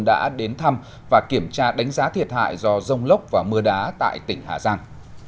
đã đến thăm và kiểm tra đánh giá thiệt hại do rông lốc và mưa đá tại tỉnh hà giang